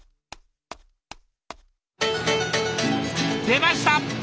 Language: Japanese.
出ました！